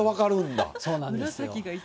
そうなんですよ。